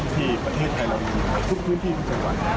ที่ประเทศไทยเรามีหลายทุกพื้นที่ทุกจังหวัดนะ